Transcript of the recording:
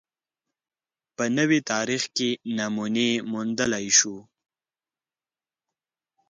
په نوي تاریخ کې نمونې موندلای شو